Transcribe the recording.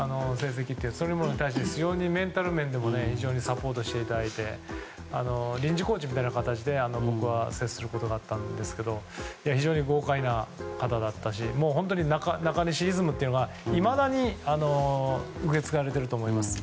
非常にメンタル面でもサポートしていただいて臨時コーチみたいな形で僕は接することがあったんですが非常に豪快な方でしたし中西イズムというのがいまだに受け継がれていると思います。